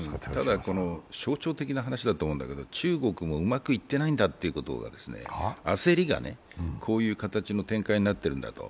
ただ象徴的な話だと思うんですけど中国もうまくいってないんだということ、焦りがこういう形の展開になってるんだと。